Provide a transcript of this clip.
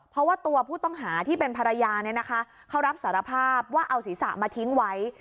เพราะว่าตัวผู้ต้องหาที่เป็นภรรยาเนี่ยนะคะเขารับสารภาพว่าเอาศีรษะมาทิ้งไว้